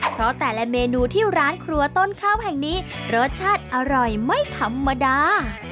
เพราะแต่ละเมนูที่ร้านครัวต้นข้าวแห่งนี้รสชาติอร่อยไม่ธรรมดา